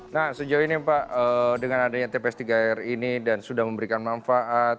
nah sejauh ini pak dengan adanya tps tiga r ini dan sudah memberikan manfaat